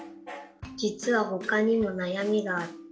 じつはほかにもなやみがあって。